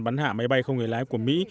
bắn hạ máy bay không người lái của mỹ